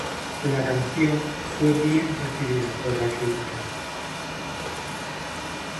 La canción fue bien recibida por la crítica.